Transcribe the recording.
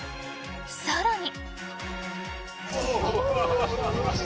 更に。